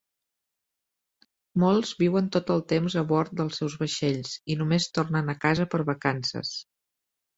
Molts viuen tot el temps a bord dels seus vaixells i només tornen a casa per vacances.